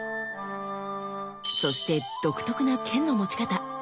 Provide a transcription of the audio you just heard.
そして独特な剣の持ち方。